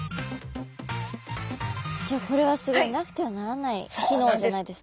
じゃあこれはすごいなくてはならない機能じゃないですか？